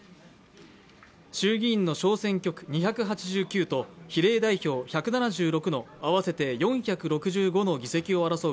衆議院の小選挙区２８９と比例代表１７６の合わせて４６５の議席を争う